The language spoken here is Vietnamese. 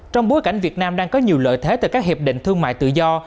trong bối cảnh việt nam đang có nhiều lợi thế từ các hiệp định thương mại tự do